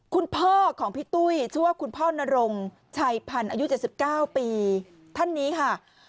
คุณพ่อของพี่ตุ้ยชื่อว่าคุณพ่อนรงชัยพันธ์อายุ๗๙ปีท่านนี้ค่ะ